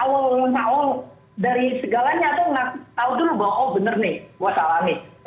awal awal dari segalanya atau tau dulu bahwa oh bener nih gue salah nih